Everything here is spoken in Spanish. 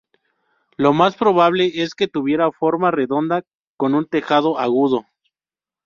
Lo más probable es que tuviera forma redonda con un tejado agudo.